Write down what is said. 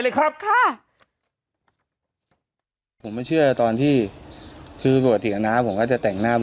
เลยครับค่ะผมไม่เชื่อตอนที่คือบวชเถียงน้าผมก็จะแต่งหน้า